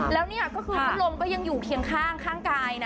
แล้วนี่ก็คือพัดลมก็ยังอยู่เคียงข้างกายนะ